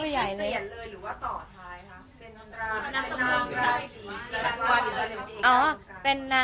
ไม่นะ